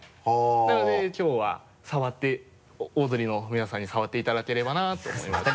なのできょうは触ってオードリーの皆さんに触っていただければなと思いまして。